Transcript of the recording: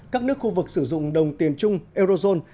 các nước khu vực sử dụng đồng tiền chung eurozone